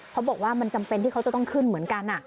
เขาบอกว่ามันจำเป็นที่เขาจะต้องขึ้นเหมือนกัน